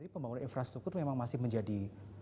pembangunan infrastruktur memang masih menjadi